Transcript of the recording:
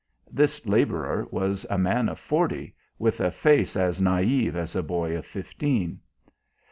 This labourer was a man of forty with a face as naïve as a boy of fifteen.